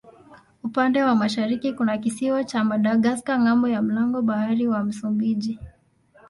Upande wa mashariki kuna kisiwa cha Madagaska ng'ambo ya mlango bahari wa Msumbiji.